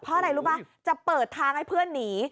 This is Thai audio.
เพราะอะไรรู้ป่ะจะเปิดทางให้เพื่อนหนี